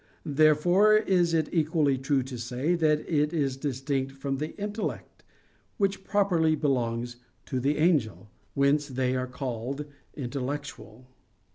Therefore is it equally true to say that it is distinct from the intellect, which properly belongs to the angel: whence they are called intellectual.